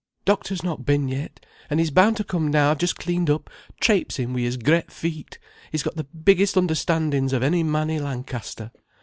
Doctor's not been yet. And he's bound to come now I've just cleaned up, trapesin' wi' his gret feet. He's got the biggest understandin's of any man i' Lancaster.